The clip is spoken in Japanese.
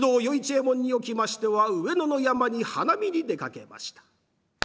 右衛門におきましては上野の山に花見に出かけました。